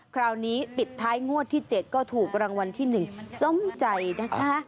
คราวนี้ปิดท้ายงวดที่๗ก็ถูกรางวัลที่๑สมใจนะคะ